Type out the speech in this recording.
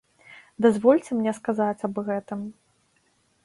Дазвольце мне сказаць аб гэтым.